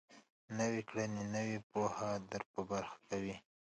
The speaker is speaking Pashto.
نويې کړنې نوې پوهه در په برخه کوي.